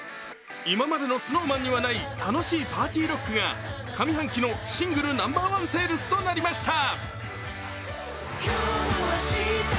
今までのＳｎｏｗＭａｎにはない楽しいパーティーロックが上半期のシングルナンバーワンセールスとなりました。